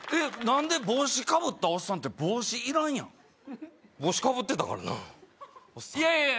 何で帽子かぶったおっさんって帽子いらんやん帽子かぶってたからなおっさん